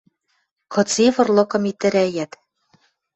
Кыце вырлыкым итӹрӓят